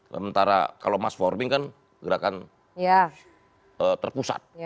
sementara kalau mass forming kan gerakan terpusat